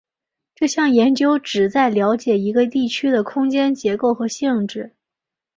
这项研究旨在了解一个地区的空间结构和性质。